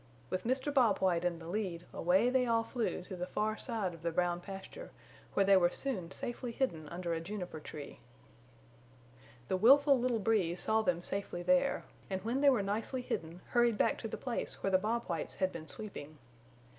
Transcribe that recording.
With Mr. Bob White in the lead away they all flew to the far side of the Brown Pasture where they were soon safely hidden under a juniper tree. The willful little Breeze saw them safely there, and when they were nicely hidden hurried back to the place where the Bob Whites had been sleeping.